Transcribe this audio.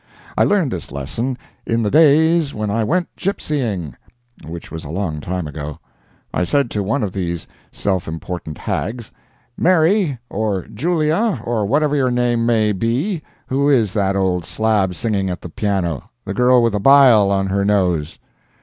I learned this lesson "in the days when I went gypsying," which was a long time ago. I said to one of these self important hags, "Mary, or Julia, or whatever your name may be, who is that old slab singing at the piano—the girl with the 'bile' on her nose?"